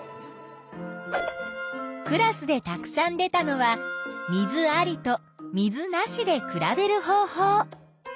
クラスでたくさん出たのは水ありと水なしで比べる方法。